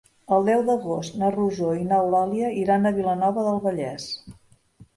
El deu d'agost na Rosó i n'Eulàlia iran a Vilanova del Vallès.